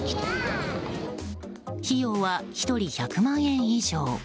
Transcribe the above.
費用は１人１００万円以上。